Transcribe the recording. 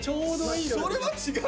それは違う。